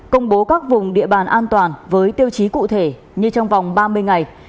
công bố các vùng địa bàn an toàn với tiêu chí cụ thể như trong vòng ba mươi ngày